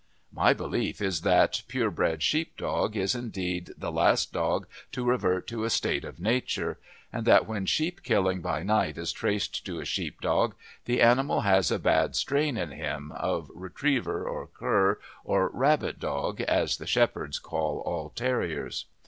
My belief is that the pure bred sheep dog is indeed the last dog to revert to a state of nature; and that when sheep killing by night is traced to a sheep dog, the animal has a bad strain in him, of retriever, or cur, or "rabbit dog," as the shepherds call all terriers.